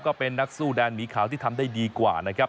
ก็เป็นนักสู้แดนหมีขาวที่ทำได้ดีกว่านะครับ